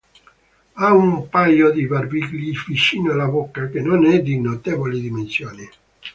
Ha un paio di barbigli vicino alla bocca, che non è di notevoli dimensioni.